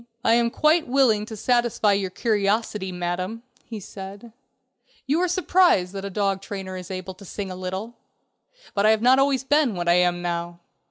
"I am quite willing to satisfy your curiosity, Madam," he said; "you are surprised that a dog trainer is able to sing a little. But I have not always been what I am now.